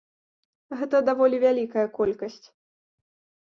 Гэта даволі вялікая колькасць.